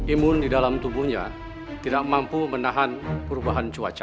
imun di dalam tubuhnya tidak mampu menahan perubahan cuaca